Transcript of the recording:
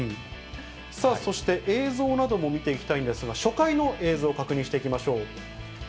そして、映像なども見ていきたいんですが、初回の映像、確認していきましょう。